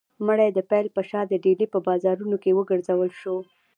مړی د پیل په شا د ډیلي په بازارونو کې وګرځول شو.